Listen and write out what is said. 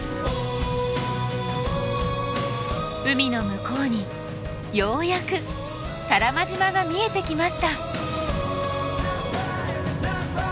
海の向こうにようやく多良間島が見えてきました。